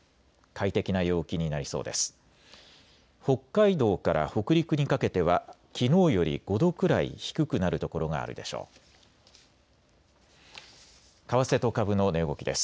快適な陽気になりそうです。